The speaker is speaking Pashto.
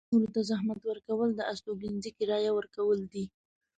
نورو ته خدمت کول د استوګنځي کرایه ورکول دي.